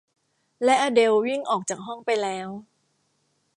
และอเดลวิ่งออกจากห้องไปแล้ว